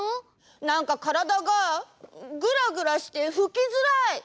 なんかからだがぐらぐらしてふきづらい！